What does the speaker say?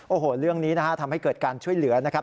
โอ้โหเรื่องนี้นะฮะทำให้เกิดการช่วยเหลือนะครับ